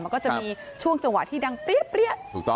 มันก็จะมีช่วงจังหวะที่ดังเปรี้ยถูกต้อง